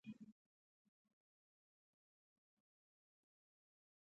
چې له یاره نه جدا شي پسو ژواک کا